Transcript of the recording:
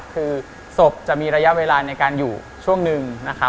คือศพจะมีระยะเวลาในการอยู่ช่วงนึง